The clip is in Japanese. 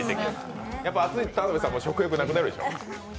暑いと田辺さんも食欲なくなるでしょ？